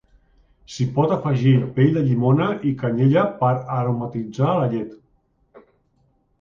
S'hi pot afegir pell de llimona i canyella per aromatitzar la llet.